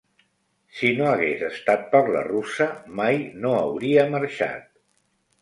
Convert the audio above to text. Si no hagués estat per la russa mai no hauria marxat.